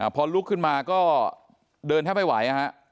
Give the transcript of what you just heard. พอลุกขึ้นมาก็เดินแทบไม่ไหว